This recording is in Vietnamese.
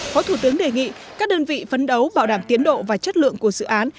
phó thủ tướng đề nghị các đơn vị phấn đấu bảo đảm tiến độ và chất lượng của dự án